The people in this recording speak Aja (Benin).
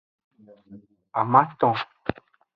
Amaton.